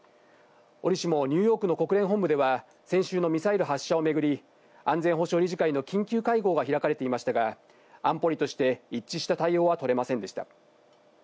おりしもニューヨークの国連本部では先週のミサイル発射をめぐり安全保障理事会の緊急会合が開かれていましたが、安保理として一致した対応は取れませんでした。